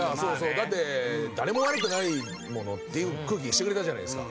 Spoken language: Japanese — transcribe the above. だって誰も悪くないものっていう空気にしてくれたじゃないですか。